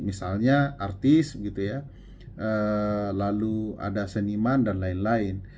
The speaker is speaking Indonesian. misalnya artis gitu ya lalu ada seniman dan lain lain